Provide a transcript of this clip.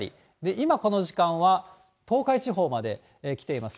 今、この時間は東海地方まで来ています。